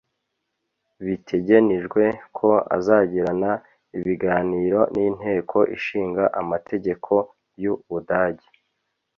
Bitegenijwe ko azagirana ibiganiro n’inteko ishinga amategeko y’u Budage